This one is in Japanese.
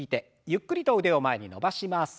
ゆっくりと腕を前に伸ばします。